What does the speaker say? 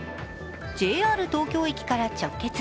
ＪＲ東京駅から直結。